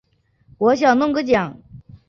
我想弄个奖